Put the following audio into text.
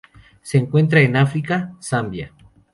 Se encuentran en África: Zambia